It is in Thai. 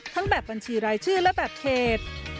แบบบัญชีรายชื่อและแบบเขต